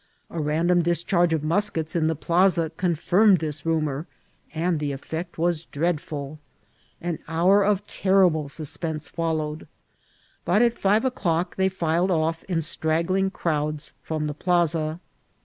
A random discharge of muskets in the plaxa confirmed this rumour, and the effect vras dreadfuL An hour of terrible suspense followed, but at five o'clock they filed off in straggling crowds firom the plaza.